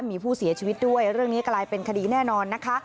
มีผู้เสียชีวิตด้วยเรื่องนี้กลายเป็นคดีแน่นอนนะคะ